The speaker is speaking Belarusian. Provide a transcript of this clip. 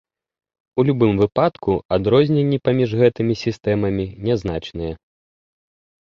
У любым выпадку адрозненні паміж гэтымі сістэмамі нязначныя.